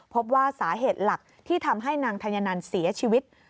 พบว่าสาเหตุหลักที่ทำให้นางธัญนันเสียชีวิต